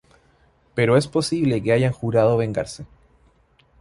Pero es posible que hayan jurado vengarse.